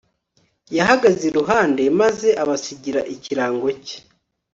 Yahagaze iruhande maze abasigira ikirango cye